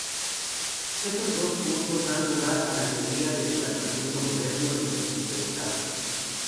Esos dos puntos dan lugar a la teoría del tratamiento moderno de los "interesados".